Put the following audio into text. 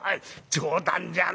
冗談じゃねえな。